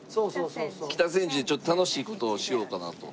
北千住でちょっと楽しい事をしようかなと。